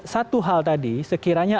satu hal tadi sekiranya